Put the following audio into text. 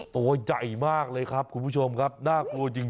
ตัวใหญ่มากเลยครับคุณผู้ชมครับน่ากลัวจริง